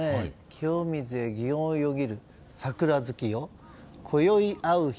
清水へ祇園よぎる桜月夜今宵会う人